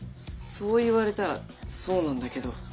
そう言われたらそうなんだけど。